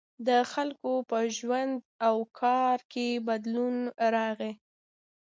• د خلکو په ژوند او کار کې بدلون راغی.